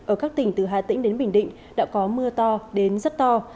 ở các tỉnh từ hà tĩnh đến bình định đã có mưa to đến rất to